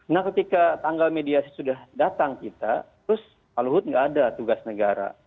nah ketika tanggal mediasi sudah datang kita terus paluhut tidak ada tugas negara